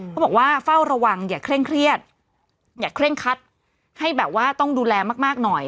เขาบอกว่าเฝ้าระวังอย่าเคร่งเครียดอย่าเคร่งคัดให้แบบว่าต้องดูแลมากหน่อย